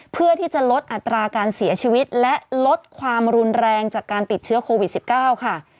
เพื่อที่จะลดอัตราการเสียชีวิตและลดความรุนแรงจากการติดเชื้อโควิด๑๙ค่ะ